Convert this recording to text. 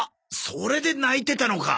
それで鳴いてたのか。